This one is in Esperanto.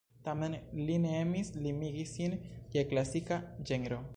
Tamen li ne emis limigi sin je klasika ĝenro.